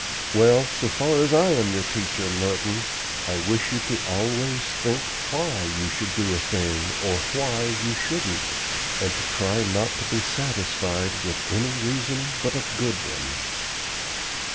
"Well, so far as I am your teacher, Merton, I wish you always to think why you should do a thing or why you shouldn't, and to try not to be satisfied with any reason but a good one."